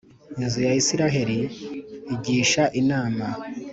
inzu ya Israheli igisha inama.